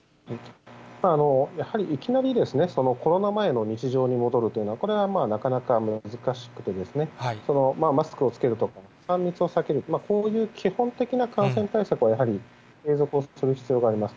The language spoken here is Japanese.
やはりいきなり、コロナ前の日常に戻るというのは、これはなかなか難しくて、マスクを着けるとか３密を避ける、こういう基本的な感染対策はやはり継続をする必要があります。